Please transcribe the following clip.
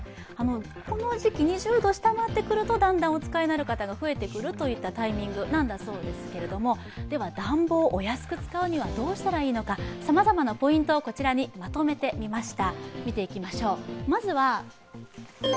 この時期、２０度を下回ってくるとだんだんお使いになる方が増えてくるといったタイミングなんだそうですけれどもでは暖房、お安く使うにはどうしたらいいのか、さまざまなポイントをこちらにまとめてみました。